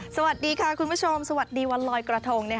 สวัสดีค่ะคุณผู้ชมสวัสดีวันลอยกระทง